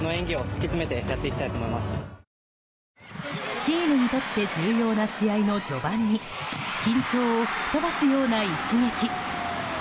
チームにとって重要な試合の序盤に緊張を吹き飛ばすような一撃。